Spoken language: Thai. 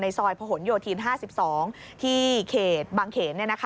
ในซอยพโยธีน๕๒ที่เขตบางเขตนี่นะคะ